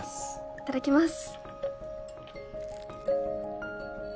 いただきます。